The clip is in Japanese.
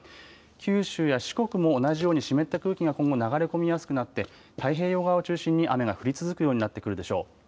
九州や四国も同じように湿った空気が今後、流れ込みやすくなって太平洋側を中心に雨が降り続くようになってくるでしょう。